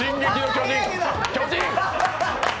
巨人！